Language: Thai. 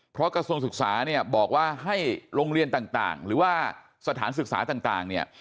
เพราะกระทรวงศึกษาเนี่ยบอกว่าให้โรงเรียนต่างหรือว่าสถานศึกษาต่างเนี่ย